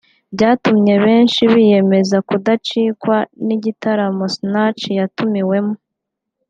byatumye benshi biyemeza kudacikanwa n'igitaramo Sinach yatumiwemo